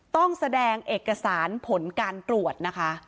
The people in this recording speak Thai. ต้องแสดงเอกสารผลการตรวจนะคะ